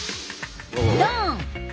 ドン！